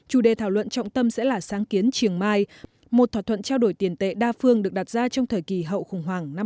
chủ đề thảo luận trọng tâm sẽ là sáng kiến chiềng mai một thỏa thuận trao đổi tiền tệ đa phương được đặt ra trong thời kỳ hậu khủng hoảng năm một nghìn chín trăm chín mươi bảy